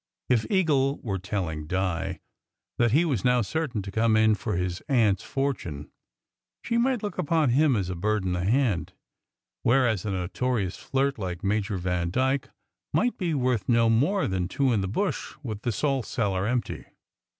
If Eagle were telling Di that he was now certain to come in for his aunt s fortune, she might look upon him as a bird in the hand, whereas a notorious flirt like Major Vandyke might be worth no more than two in the bush with the saltcellar empty.